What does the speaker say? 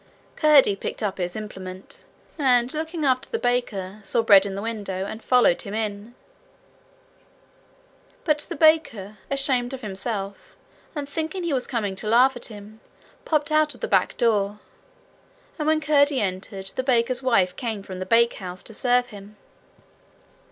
Curdie picked up his implement, and, looking after the baker, saw bread in the window, and followed him in. But the baker, ashamed of himself, and thinking he was coming to laugh at him, popped out of the back door, and when Curdie entered, the baker's wife came from the bakehouse to serve him.